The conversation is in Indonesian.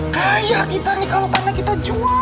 kaya kita nih kalo tanah kita jual